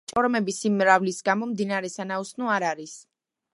ჭორომების სიმრავლის გამო მდინარე სანაოსნო არ არის.